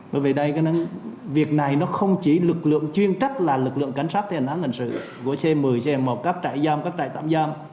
bởi vì đây cái việc này nó không chỉ lực lượng chuyên trách là lực lượng cảnh sát thi hành án hình sự của c một mươi c một các trại giam các trại tạm giam